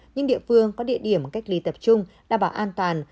những địa phương có địa điểm cách ly tập trung đảm bảo an toàn